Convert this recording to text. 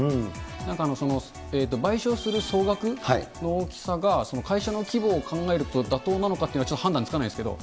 なんか賠償する総額の大きさが、会社の規模を考えると妥当なのかっていうのはちょっと判断つかないですけど。